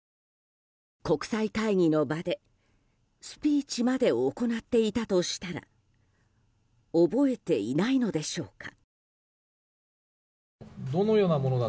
国際会議の場でスピーチまで行っていたとしたら覚えていないのでしょうか。